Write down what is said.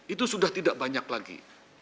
itu sudah tidak banyak lagi